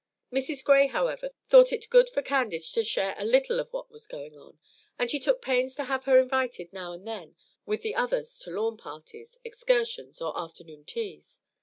Mrs. Gray, however, thought it good for Candace to share a little of what was going on; and she took pains to have her invited now and then with the others to lawn parties, excursions, or afternoon teas.